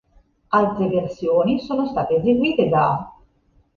Altre versioni sono state eseguite da